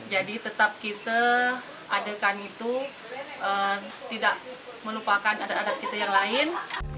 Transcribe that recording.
jadi tetap kita adekan itu tidak melupakan adat adat kita yang lain